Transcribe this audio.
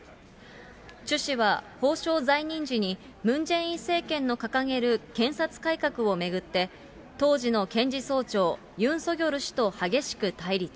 チュ氏は法相在任時にムン・ジェイン政権の掲げる検察改革を巡って、当時の検事総長、ユン・ソギョル氏と激しく対立。